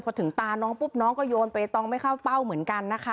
พอถึงตาน้องปุ๊บน้องก็โยนไปตองไม่เข้าเป้าเหมือนกันนะคะ